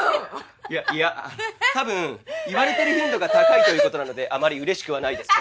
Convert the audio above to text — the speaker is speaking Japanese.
いやたぶん言われてる頻度が高いということなのであまりうれしくはないですが。